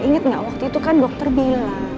ingat nggak waktu itu kan dokter bilang